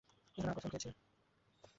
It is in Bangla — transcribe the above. কিন্তু না, কসম খেয়েছিল।